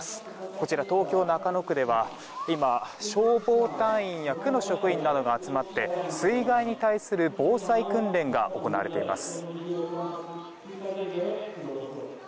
こちら、東京・中野区では今、消防隊員や区の職員などが集まって水害に対する防災訓練が行われています。